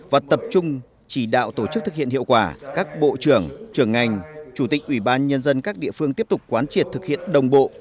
và tập trung chỉ đạo tổ chức thực hiện hiệu quả các bộ trưởng trưởng ngành chủ tịch ủy ban nhân dân các địa phương tiếp tục quán triệt thực hiện đồng bộ